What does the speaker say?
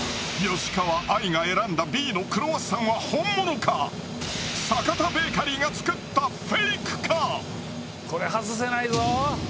吉川愛が選んだＢのクロワッサンは阪田ベーカリーが作ったこれ外せないぞ。